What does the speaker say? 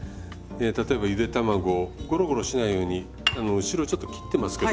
例えばゆで卵ゴロゴロしないように後ろをちょっと切ってますけど包丁で。